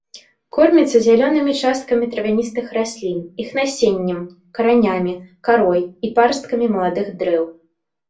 Корміцца зялёнымі часткамі травяністых раслін, іх насеннем, каранямі, карой і парасткамі маладых дрэў.